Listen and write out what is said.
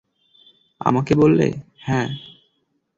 আমাকে বললে, হ্যাঁ!